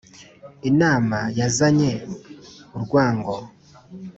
Inama yazanye u'urwango